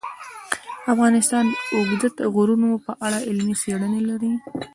افغانستان د اوږده غرونه په اړه علمي څېړنې لري.